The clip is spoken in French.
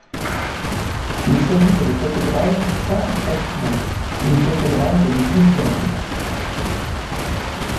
Il s'agit de la cathédrale Saint-Fachtna, une cathédrale de l'Église d'Irlande.